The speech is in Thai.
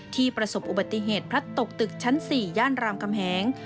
ประสบอุบัติเหตุพลัดตกตึกชั้น๔ย่านรามกำแหง